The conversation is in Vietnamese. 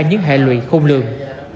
những hại lụy khung lường